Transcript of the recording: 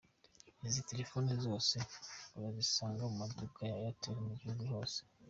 Izi telefone zose urazisanga mu maduka ya itel mugihugu hose.